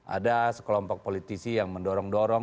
ada sekelompok politisi yang mendorong dorong